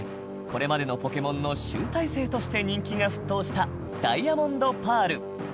これまでの『ポケモン』の集大成として人気が沸騰した『ダイヤモンド・パール』